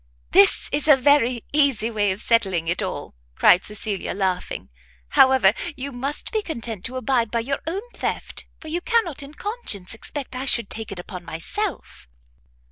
"This is a very easy way of settling it all," cried Cecilia laughing; "however, you must be content to abide by your own theft, for you cannot in conscience expect I should take it upon myself."